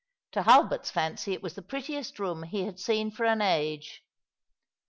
To Hulbert's fancy it was the prettiest room he had seen for an age.